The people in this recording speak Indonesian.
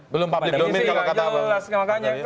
belum publik dong mir kalau kata apa